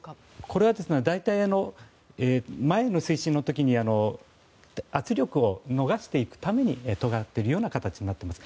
これは前に推進の時に圧力を逃していくためにとがっているような形になっています。